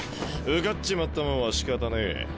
受かっちまったもんはしかたねえ。